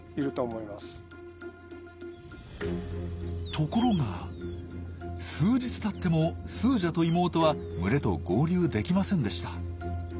ところが数日たってもスージャと妹は群れと合流できませんでした。